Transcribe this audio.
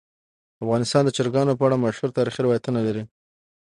افغانستان د چرګانو په اړه مشهور تاریخی روایتونه.